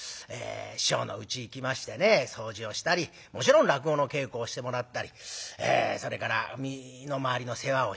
師匠のうち行きましてね掃除をしたりもちろん落語の稽古をしてもらったりそれから身の回りの世話をして。